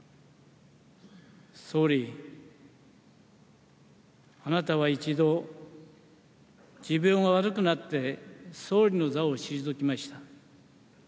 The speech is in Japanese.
総理、あなたは一度、持病が悪くなって、総理の座を退きました。